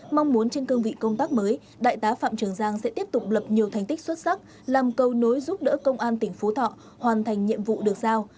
mong muốn trên cương vị công tác mới đại tá phạm trường giang sẽ tiếp tục lập nhiều thành tích xuất sắc làm cầu nối giúp đỡ công an tỉnh phú thọ hoàn thành nhiệm vụ được giao